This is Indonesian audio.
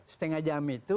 setengah jam itu